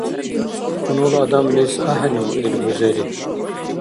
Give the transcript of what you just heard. Хьунул адамлис ахӀену ил бузери?